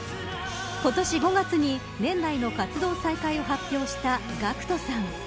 今年５月に年内の活動再開を発表したＧＡＣＫＴさん。